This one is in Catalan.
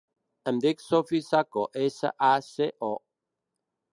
Em dic Sophie Saco: essa, a, ce, o.